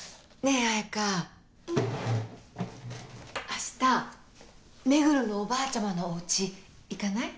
あした目黒のおばあちゃまのおうち行かない？